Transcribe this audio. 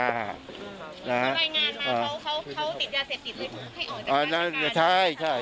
ผ่ายงานมาเขาติดยาเสพติบเลยให้เอ่อจะเปิดการ